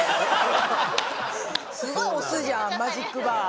すごい推すじゃんマジックバー。